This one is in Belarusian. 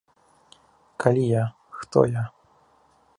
Калі я, хто я?